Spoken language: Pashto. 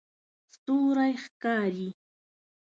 ستوری ښکاري